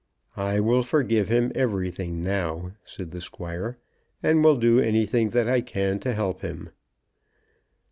"I will forgive him everything now," said the Squire, "and will do anything that I can to help him."